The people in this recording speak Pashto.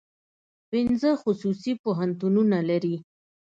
پنځه خصوصي پوهنتونونه لري.